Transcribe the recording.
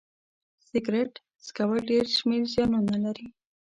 سيګرټ څکول ډيری شمېر زيانونه لري